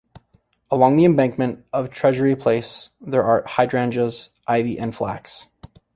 Along the embankment of Treasury Place there are hydrangeas, ivy and flax.